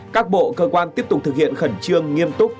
các bộ cơ quan tiếp tục thực hiện khẩn trương nghiêm túc